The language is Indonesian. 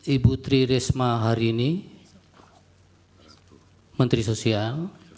ibu tri risma harini menteri sosial